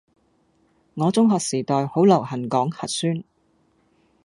我中學時代好流行講核酸